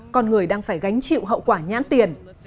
con người đang phải gánh chịu hậu quả nhãn tiền